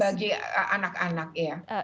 ya anak anak ya